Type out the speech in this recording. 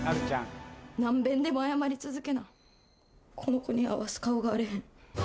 何遍でも謝り続けな、この子に合わす顔があらへん。